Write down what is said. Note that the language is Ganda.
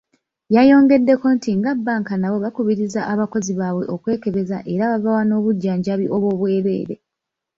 Yayongeddeko nti nga bbanka nabo bakubiriza abakozi baabwe okwekebeza era babawa n'obujjanjabi obw'obwerere.